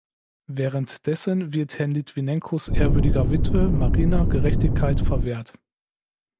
Währenddessen wird Herrn Litwinenkos ehrwürdiger Witwe, Marina, Gerechtigkeit verwehrt.